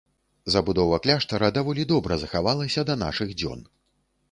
Забудова кляштара даволі добра захавалася да нашых дзён.